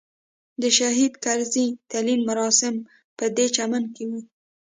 د شهید کرزي تلین مراسم په دې چمن کې وو.